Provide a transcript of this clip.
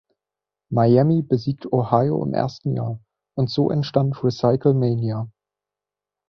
Miami besiegt Ohio im ersten Jahr, und so entstand RecycleMania.